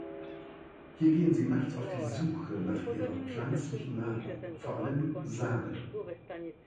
Hier gehen sie nachts auf die Suche nach ihrer pflanzlichen Nahrung, vor allem Samen.